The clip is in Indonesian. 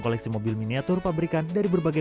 koleksi mobil miniatur pabrikan dari berbagai